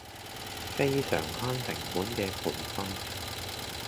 非常慳成本嘅培訓